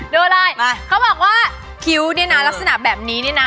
ดูอะไรมาเขาบอกว่าคิ้วเนี่ยนะลักษณะแบบนี้เนี่ยนะ